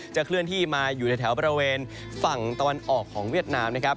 เคลื่อนที่มาอยู่ในแถวบริเวณฝั่งตะวันออกของเวียดนามนะครับ